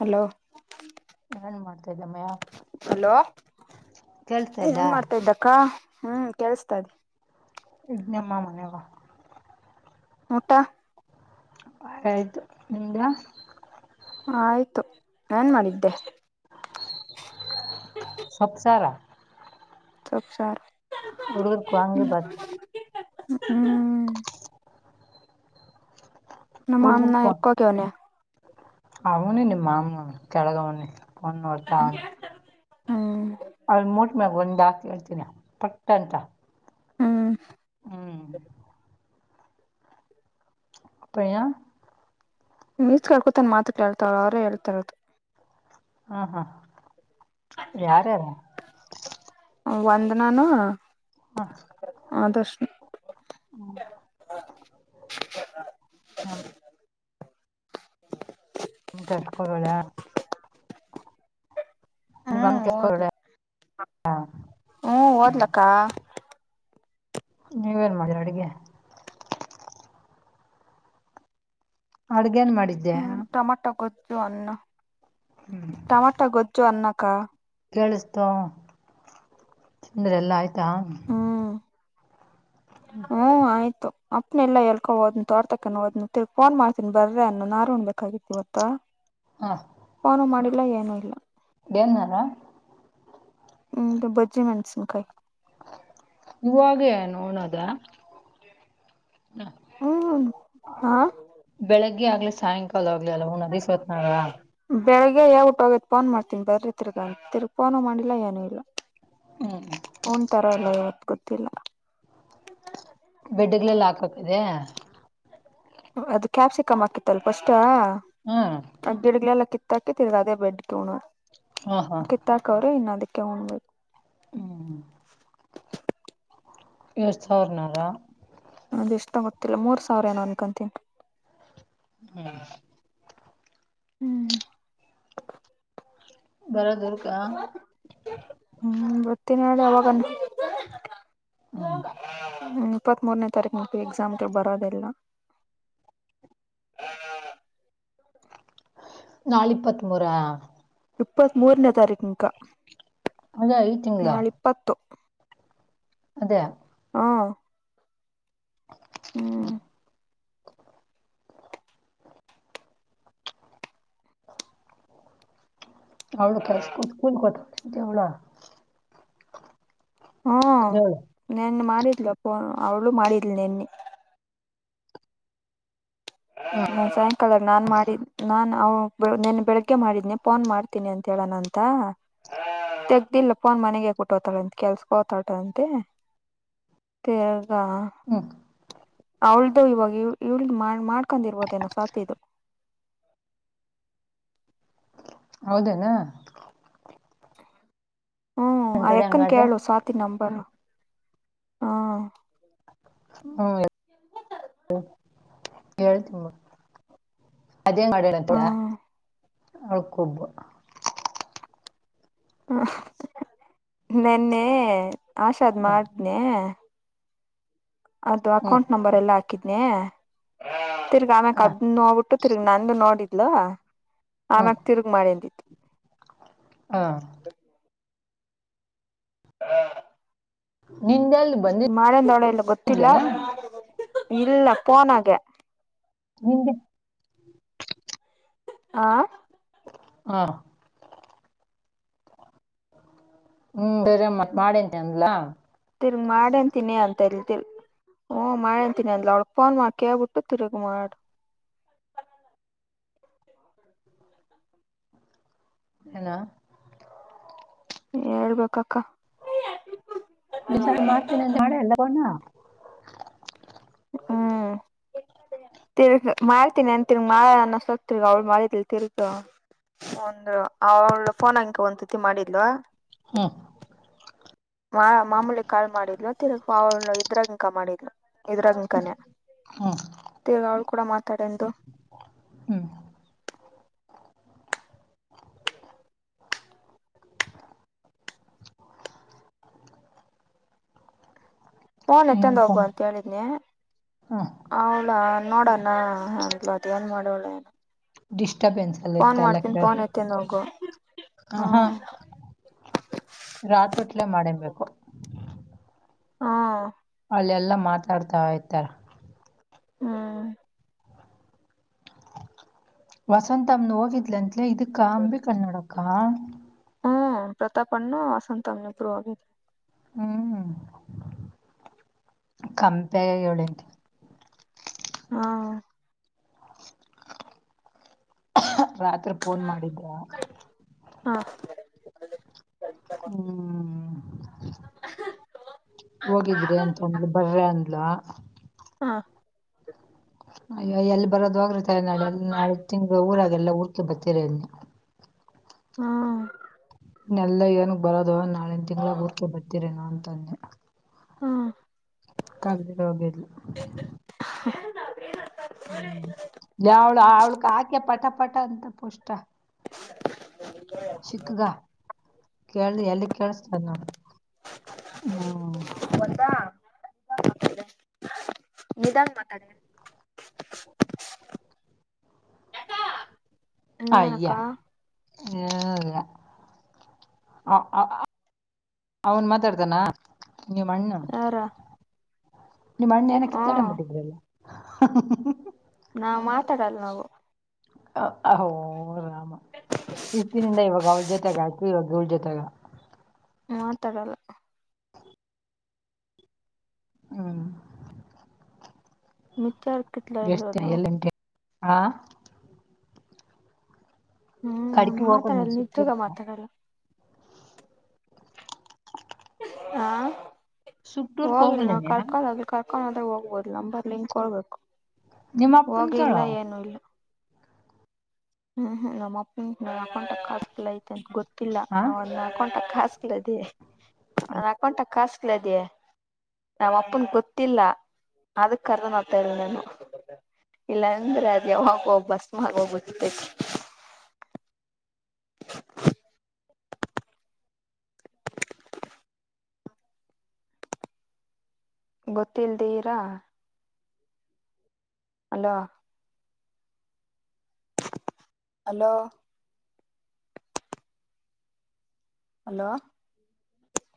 Hello ಏನ್ ಮಾಡತ ಸದಮ್ಮೇ ಹಲೋ ಇಲ್ಲ ಏನ್ ಮಾಡ್ತಾ ಇದ್ದಕ್ಕ ಹ್ಮ್ ಕೆಲ್ಸ್ತದ ಇದ್ದಾನೆಮಾ ಮನೆಯಾವ ಊಟ ಆಯ್ತು ನಿಮ್ದ ಆಯ್ತು ಏನ್ ಮಾಡಿದ್ದೆ ಸೊಪ್ಪಸಾರ ಸೊಪ್ಪಸಾರು ಹುಡುಗರಿಗೆ ವಾಂಗೀಬಾತ್ ಹ್ಮ್ ನಮ್ಮ ಮಾವ ಎಲ್ಲಿಗೆ ಹೋಗನೇ ಅವ್ನೆ ನಿಮ್ಮ ಮಾವ ಕೆಳಗವ್ನೆ ಫೋನ್ ನೋಡ್ತವನೇ ಹ್ಮ್ ಮ್ಯಾಗ ಒಂದು ಹಾಕಿ ಹೇಳ್ತೀನಿ ಪಟ್ಟಂತ ಹ್ಮ್ ಅಪ್ಪಯ್ಯ ಮೀಸ್ ಕೇಳ್ಕೊತನ್ ಮಾತ ಕೇಳ್ತಾಳ ಅವ್ರ ಹೇಳ್ತರೋದು ಹ್ಮ ಹ್ಮ ಯಾರಾರ ಒಂದ ನಾನು ಹ್ಮ ಹ್ಮ ಹ ಕೆಲಸಕ್ಕೆ ಹೋಗಲ್ವಾ ಹ್ಮ್ ಹೋದ್ ಹ್ಮ ಹೋದ್ಲಕ್ಕ ನೀವೇನ್ ಮಾಡಿರಿ ಅಡುಗೆ ಅಡಗೆ ಹ್ಮ್ ಟೊಮೊಟೊ ಗೊಜ್ಜು ಅನ್ನ ಟೊಮೊಟೊ ಗೊಜ್ಜು ಅನ್ನ ಅಕ್ಕ ಕೇಳಿಸ್ತೋ ಅಂದ್ರೆ ಎಲ್ಲಾ ಆಯ್ತು ಆಯ್ತ ಹು ಆಯ್ತು ಅಪ್ನ ಎಲ್ಲ ಎಳ್ಕೊದ್ ತೋಟಕ್ಕೆ ಹೋನು ಫೋನ್ ಮಾಡ್ತೀ ಬರಿ ಅನ್ನುಹಾನ್ನಬೇಕಾಗಿತ್ತು ಐವತ್ತು ಹಾ ಫೋನು ಮಾಡಿ ಇಲ್ಲ ಏನು ಇಲ್ಲ ಎನ್ನರ ಹ್ಮ್ ಬಜ್ಜಿ ಮೆಣಸಿನಕಾಯಿ ಇವಾಗ ನೋನದ ಹ್ಮ್ ಹಾ ಬೆಳಗ್ಗೆ ಆಗ್ಲಿ ಸಾಯಂಕ ಕಾಲ ಆಗ್ಲಿ ಉಣ್ಣದು ಎಸ್ಟೋತನಾಗ ಬೆಳಿಗ್ಗೆ ಯಾವ ಊಟ ಹೋಗೈತ್ ಫೋನ್ ಮಾಡ್ತೀನಿ ಬದ್ರೆ ತಿರ್ಗ ಫೋನು ಮಾಡಿಲ್ಲಾ ಏನೂ ಇಲ್ಲ ಹನ್್ ತರ ಅಲ್ಲ ಯ ಗೊತ್ತಿಲ್ಲ ಬೆಡ್ಗ್ಲೆಲ್ಲ ಹಾಕ್ ಆತಿದೆ ಅದು ಕ್ಯಾಪ್ಸಿಕಮ್ ಆಾಕಿತ್ತಲ್ ಪಫಸ್ ಹ್ಮ್ ಅಗ್ ಗಿಡಗ್ಲಲ್ಲಕ್ಕಿತ್ತು ತಾಕ್ಕೆ ತರ ರಾಾದ ಬೆಡ್ ಕುನ ಹಾ ಹಾ ಕಿತ್ತಾರ್ಕ್ ಅವ್ರ ಇನ್ನದಕ್ಕೆ ಕಬೇಕು ಹ್ಮ್ ಎಷ್ಟ ಸಾವಿರನಾರಾ ನದು ಎಷ್ಟ ಗೊತ್ತಿಲ್ಲ ಮೂರ್ ಸಾವಿರ ಏನೋ ಅನ್ಕೊಂತೀನಿ ಹ್ಮ್ ಹ್ಮ್ ಬರ ದೂರ್ ಕ ಹ ಹ ಹ್ಮ ಇಪ್ಪತ್ ಮೂರನೇ ತಾರೀಕು ಮ ಎಕ್ಸಾಮ್ ಬರೋದಲ್ಲ ನಳ ಇಪ್ಪತ್ ಮೂೂರ ಇಪ್ಪತ್ ಮೂರನೇ ತಾರೀಕು ಅಕ ಅದೇ ಐದ್ ತಿಂಗ್ಳ ನಾಳೆಿಪ್ಪತ್ತು ಅದೇ ಹ್ಮ ಹ್ಮ್ ಅವೌಳ ಕೆಲ್ಸ ಕಕೂಲ್ ಕೊಟ್ಟ ಕೆವಳ ಕ ಮಾಡಿದ್ಲು ಅಪ್ಪ ಅವಳು ಮಾಡಿದ್ಲ್ ನಿನ್ನೆ ನ ಸಾಯಂಕಾಲದ ನಾನ್ ಮಾಡಿದ ನಾನ್ ಅವ ನನ್ ಬೆಳಗ್ಗೆ ಮಾಡಿದನಿ ಫೋನ್ ಮಾಡ್ತೀನಿ ಅಂತ ಹೇಳಣ ಅಂತ ತೆಗ್ದಿಲ್ಲ ಫೋನ್ ಮನೆಗೆ ಕುಟ್ಟೋತಾಳಂತ ಕೆಲ್ಸಕ ಹೋತಾಟ ಅಂತೆ ಹಾ ಹ್ಮ್ ಅವಳ್ದು ಇವಾಗ ಇಳ ಮಾಡ್ ಕಕಂದಿರ್ಬೋದೇನೋ ಸಾತ್ ಇದು ಹೌದೇನಾ ಹ್ಮ್ ಆ ಒಂಟಡಿ ಎಕ್ಕನ್ ಹಂಗಾದ್ರೆ ಕೇಳು ಸ್ವಾತಿ ನಂಬರು ಹಾ ಹ್ಮ ಹ ಹೇಳಳ್ ತಿಂಬ ಅದೇನ್ ಮಾಡೋಣಂತ ಹ್ಮ ಆಳ್ಕೊಬ ಹ ನೆನ್ನೆ ಆಶಾಗ್ ಹ್ಮ್ ಮಾಡ್ದನೇ [unintelligible] ಅದು ಹ್ಮ್ ಅಕೌಂಟ್ ನಂಬರ್ ಎಲ್ಲಾ ಹಾಕಿದ್ ದ್ನಿ [unintelligible] ತಿರ್ಗ್ ಅಮೆಕ್ ಹ ಅದ್ನಾನ್ನ ನೋಡ್ಬಿಟ್ಟು ನಂದ್ ನೋಡಿದ್ [unintelligible] ಹ್ಮ್ ಆಮ್ಯಕ್ ತಿರುಗಿ ಮಾಡಿದಿ ಹ [unintelligible] [unintelligible] ನಿಂದೆಲ್ಲಿ ಬಂದಿ ಮಾಡಂದೋಳ [unintelligible] ಗೊತ್ತಿಲ್ಲ ಇದ್ಲೇನಾ ಇಲ್ಲ ಪೋನಗೆ [unintelligible] ಹಾ ಹಾ ಹ್ಮ್ [unintelligible] ತಿರ್ಗಿ ಮಾಡೇನ್ಂತೀನಿ [unintelligible] ಫೋನ್ ಮಾಡ ಕೇಳ್ಬಿಟ್ಟು ತಿರ್ಗಿ ಮಾಡು [unintelligible] ಹೇಳ್ಬೇಕಕ್ಕ [unintelligible] ಹ್ಮ್ ತಿರ್ಗ ಮಾಡ್ತೀನಿ ಅನ್ ತಿರ್ಗ ಮಾಡನ್ ಅನ್ನಸಕ್ [unintelligible] ತಿರ್ಗ ಅವ್ಳು ಮಾಡಿದ್ಲ್ ತಿರ್ಗ ಒಂದ ಅವಳ ಫೋನ್ [unintelligible] ಒಂದತಿ ಮಾಡಿದ್ಲು ಹ್ಮ ಮಾ ಮಾಮೂಲಿ ಕಾಲ್ ಮಾಡಿದ್ಲು ತಿರ್ಗ್ ಅವಳ್ ಇದ್ರಾಗ್ ಕ್ [unintelligible] ಮಾಡಿದ್ಲು ಇದ್ರಗಿಂಕನೇ ಹ್ಮ್ [unintelligible] ತಿರ್ಗ್ ಅವ್ಳ ಕೂಡ ಮಾ [unintelligible] ಹ್ಮ್ ಫೋನ್ ಎತ್ತಂದ ಇನ್ನೊಂದ್ ಹೋಗು ಸಲ. ಅಂತ ಹೇಳಿದನಿ ಹ್ಮ್ ಅವಳ ನೋಡಣ [unintelligible] ನ್ ಅಂದ್ಲು ಅದ್ ಏನ ಮಾಡುವಳೋ ಏನ [unintelligible] ಡಿಸ್ಟಬೆನ್ಸ್ ಎಲ್ಲಿ ಇತ್ತ ಎಲ್ಲ ಕೇಳ ಫೋನ್ ಎತ್ತಿಂದ ಹೋಗು ಹ ಹಾ [unintelligible] ರಾಥೋತ್ಲೇ ಮಾಡಿರ್ಬೇಕು. ಹಾ ಅಲ್ಲೆಲ್ಲಾ ಮಾತಾಡ್ತಾ ಇರ್ತಾರೆ ಹ್ಮ ವಸಂತಮ್ಮಂನು ಹೋಗಿದ್ಲಾತ್ ಇದಕ್ಕ ಅಂಬಿಕಾ ನೋಡಕ್ಕ. [unintelligible] ಹಾ ಹ್ಮ್ ಪ್ರತಾಪನ್ನು ವಸಂತಮ್ಮಂನು ಇಬ್ಬರು ಹೋಗಿದ್ರು ಹ್ಮ್ ಕಂಪೆ ಹೇ [unintelligible] ಹು [unintelligible] ಹ ರಾತ್ರಿ ಫೋನ್ ಮಾಡಿದ್ರ ಹಾ ಹ್ಮ್ ಹೋಗಿದ್ರಿ ಅಂತ ಅಂದ್ಲು ಬರ್ರ ಅಂದ್ಲ ಹಾ ಅಯ್ಯೋ ಎಲ್ ಬರೋದ್ ಹೋಗ್ರಿ ನಾಳೆ ಅಲ್ಲ ನಾಳಿದ್ದ್ ತಿಂಗಳು ಊರಾಗೆಲ್ಲ ಊರ್ ತು ಬತ್ತೆ ತಿರನ್ನ ಹ್ಮ ಇನ್ನೆಲ್ಲ ಏನಕ್ ಬರೋದು ನಾ ಒಂದ್ ತಿಂಗಳಾಗ್ ಊರ್ಕೆ ಬರ್ತೀರೇನೋ ಧನ್ಯ ಹಾ ಕಲ್ ರೋಗಲ್ಲ ಅವಳು ತಾ ಚಿಕ್ಕಗ ಕೇಳ್ದೆ ಎಲ್ಲಿಗ್ ಕೇಳಸ್ತದ್ ನೋಡು ಹ್ಮ್ ನಿಧಾನಕ್ ಮಾತಾಡ್ ಅಯ್ಯ ಇನ್ನೇನಕ್ಕ [unintelligible] ಅವ್ನ್ ಮಾತಾಡ್ತಾನ ನಿಮಣ್ಣ ಯಾರ ನಿಮ್ಮಣ್ಣ ಏನ ಕಿತ್ತಾಡೆ ಹ್ಮ್ ಮುಟ್ಟಿದ್ರಲ್ಲ [unintelligible] ನಾವು ಮಾತಾಡಲ್ಲ ನಾವು [unintelligible] ಇತ್ತಿನಿಂದ ಇವಾಗ ಅವ್ಳ ಜೊತೆ ಗಾಯ್ತು ಇವಾಗ ಇವ್ಳ್ ಜೊತೆಗ ಮಾತಾಡಲ್ಲ ಹ್ಮ್ ಮಿತರ್ [unintelligible] ಹಾ ಹ್ಮ್ ಕಡೆಕ್ ಹೋಗ್ ಮಾತಾಡಲ್ಲ ನಿಜಗ ಬಂದು [unintelligible] ಮಾತಾಡಲ್ಲ ಹಾ ಸುಟ್ಟೂರ್ಕ್ ಹೋಗಿಲ್ಲ ನಾ ಹೋಗ್ಲೇನೆ ಕರ್ಕೊಂಡ್ ಹೋಗ್ಲಿಕ್ ಆಗ್ ಹಾ ಆದಾಗ ಹೋಗ್ಬೋದು ಲಂಬರ್ ಲಿಂಕ್ ಕೊಳ್ಬೇಕು ನಿಮ್ ಅಪ್ಪನ್ ಕೇಳೊ. ಇಲ್ಲ ಹ್ಮ್ ಹ್ಮ್ ನಮ್ ಅಪ್ಪನ್ ನಮ್ ಅಪ್ಪನ್ ತಕ ಎಲ್ಲೈತೆ ಗೊತ್ ಕಿಲ್ಲಾ ಹ ಅವನ್ ಅಕೌಂಟ್ ಕಾಸ್. ದದಿ ಅ ಅಕೌಂಟ ಕಾಸ್ ಲೆದೀ ನಮ್ಮ ಅಪ್ಪನ್ ಗೊತ್ತಿಲ್ಲ ಅದಕ್ ಕರದನಾತೆ ನಾನು ಇಲ್ಲ ಅಂದ್ರೆ ಅದ ಯಾವಾಗ ಹೋಗ್ [unintelligible] ಇರ್ತೈತಿ ಗೊತ್ತಿಲ್ದಿರಾ. Hello hello hello